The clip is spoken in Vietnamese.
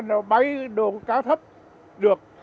nó bấy đồ cá thấp được